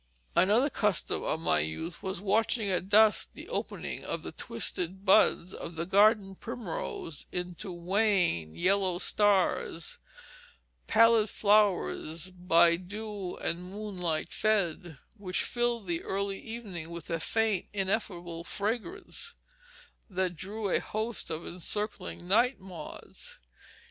Another custom of my youth was watching at dusk the opening of the twisted buds of the garden primrose into wan, yellow stars, "pallid flowers, by dew and moonlight fed," which filled the early evening with a faint, ineffable fragrance that drew a host of encircling night moths.